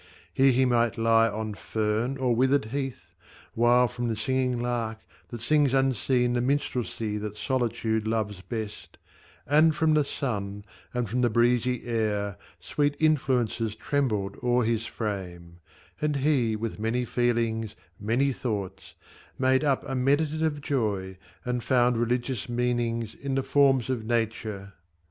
Here he might lie on fern or withered heath, While from the singing lark (that sings unseen The minstrelsy that solitude loves best), And from the sun, and from the breezy air, Sweet influences trembled o'er his frame ; And he, with many feelings, many thoughts, Made up a meditative joy, and found Religious meanings in the forms of Nature